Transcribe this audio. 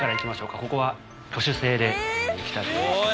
ここは挙手制でいきたいと思いますけど。